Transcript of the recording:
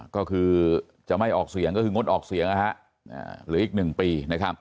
ก็คือจะไม่ออกเสียงก็คืองดออกเสียงหรืออีก๑ปี